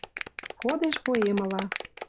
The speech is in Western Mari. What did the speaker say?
кодеш поэмыла.